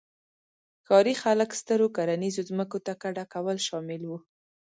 ښاري خلک سترو کرنیزو ځمکو ته کډه کول شامل وو